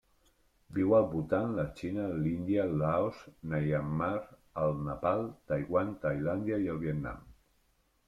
Viu al Bhutan, la Xina, l'Índia, Laos, Myanmar, el Nepal, Taiwan, Tailàndia i el Vietnam.